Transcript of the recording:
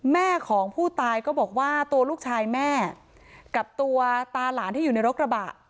แม่ของผู้ตายก็บอกว่าตัวลูกชายแม่กับตัวตาหลานที่อยู่ในรถกระบะ